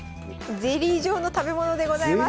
ゼリー状の食べ物でございます。